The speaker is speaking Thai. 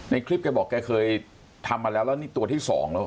ในคลิปแกบอกแกเคยทำมาแล้วแล้วนี่ตัวที่สองแล้ว